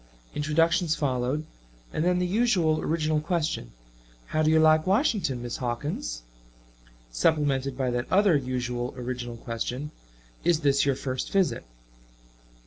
Introductions followed, and then the usual original question, "How do you like Washington, Miss Hawkins?" supplemented by that other usual original question, "Is this your first visit?"